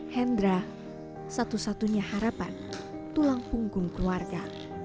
hendra satu satunya harapan tulang punggung keluarga